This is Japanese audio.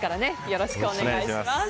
よろしくお願いします。